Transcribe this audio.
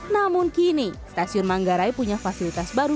namun kini stasiun manggarai punya fasilitas baru